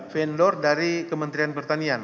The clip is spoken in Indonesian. vendor dari kementerian pertanian